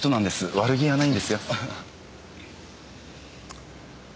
悪気はないんですよ。